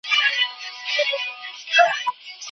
مالی او ټکنالوژیکي ستونزې د پروژې پر وړاندې خنډ جوړوي.